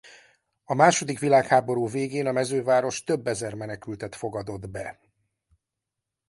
A második világháború végén a mezőváros több ezer menekültet fogadott be.